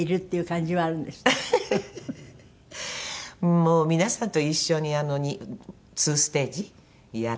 もう皆さんと一緒に２ステージやったりすると。